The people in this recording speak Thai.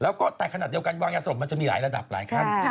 แล้วก็แต่ขนาดเดียวกันวางยาสมมันจะมีหลายระดับหลายขั้น